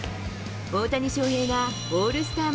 大谷翔平がオールスター